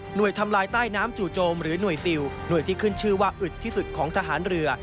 ทำลายใต้น้ำจู่โจมหรือหน่วยซิลหน่วยที่ขึ้นชื่อว่าอึดที่สุดของทหารเรือ